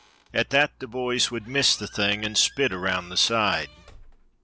At that the boys would miss the thing and spit around the side.